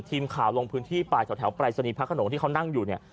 ทีมข่าวลงพื้นที่ไปแถวปรายศนีย์พระขนงที่เขานั่งอยู่เนี่ย